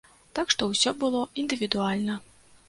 Так што ўсё было індывідуальна.